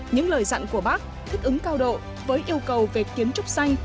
những lời dặn của bác thích ứng cao độ với yêu cầu về kiến trúc xanh